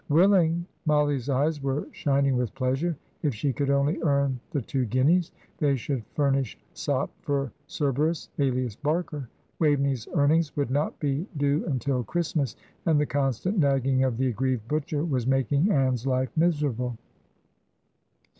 Willing! Mollie's eyes were shining with pleasure. If she could only earn the two guineas! They should furnish sop for Cerberus alias Barker. Waveney's earnings would not be due until Christmas, and the constant nagging of the aggrieved butcher was making Ann's life miserable.